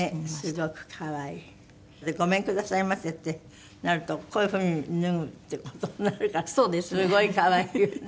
「ごめんくださいませ」ってなるとこういう風に脱ぐっていう事になるからすごい可愛いわね。